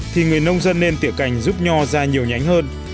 thì người nông dân nên tỉa cành giúp nho ra nhiều nhánh hơn